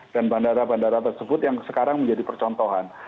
dan bandara bandara tersebut yang sekarang menjadi percontohan